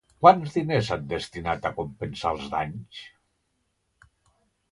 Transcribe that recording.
Quants diners s'han destinat a compensar els danys?